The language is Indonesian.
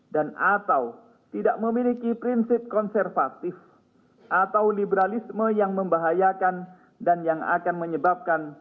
dan atau tidak memiliki prinsip konservatif atau liberalisme yang membahayakan dan yang akan menyebabkan